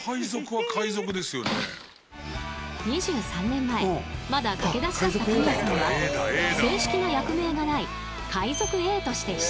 ［２３年前まだ駆け出しだった神谷さんは正式な役名がない］